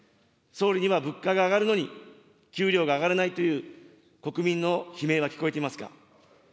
総理には物価が上がるのに、給料が上がらないという国民の悲鳴は聞こえていますか。